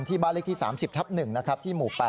ที่บ้านเลขที่๓๐ทับ๑ที่หมู่๘